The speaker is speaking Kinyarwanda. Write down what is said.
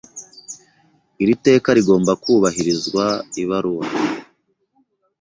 Iri teka rigomba kubahirizwa ibaruwa.